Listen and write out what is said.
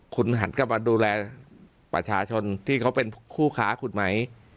คุณหันกลับมาดูแลประชาชนที่เขาเป็นคู่ค้าคุณไหม